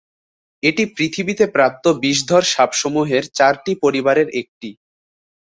এটি পৃথিবীতে প্রাপ্ত বিষধর সাপ সমূহের চারটি পরিবারের একটি।